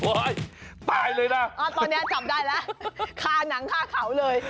ตายเลยนะตอนนี้จับได้แล้วฆ่าหนังฆ่าเขาเลย